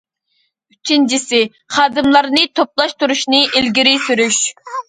ئۈچىنچىسى، خادىملارنى توپلاشتۇرۇشنى ئىلگىرى سۈرۈش.